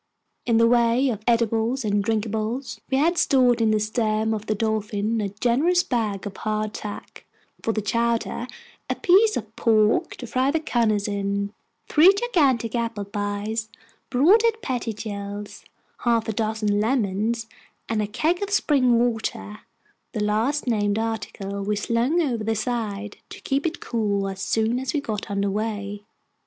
In the way of eatables and drinkables, we had stored in the stem of the Dolphin a generous bag of hard tack (for the chowder), a piece of pork to fry the cunners in, three gigantic apple pies (bought at Pettingil's), half a dozen lemons, and a keg of spring water the last named article we slung over the side, to keep it cool, as soon as we got under way.